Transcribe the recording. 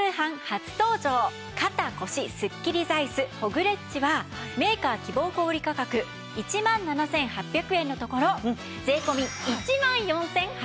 初登場肩・腰スッキリ座椅子ホグレッチはメーカー希望小売価格１万７８００円のところ税込１万４８００円です。